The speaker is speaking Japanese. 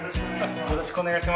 よろしくお願いします。